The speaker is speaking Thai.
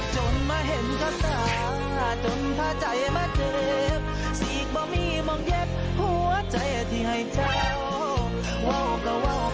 จนมาเห็นก็ตาจนพาใจมาเจอสีกบ่มี่มองเย็บหัวใจอาทิตย์ให้เจ้า